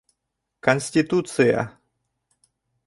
Конституция!